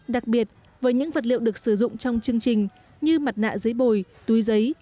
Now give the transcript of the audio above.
đặc biệt với những vật liệu được sử dụng trong chương trình như mặt nạ giấy bồi túi giấy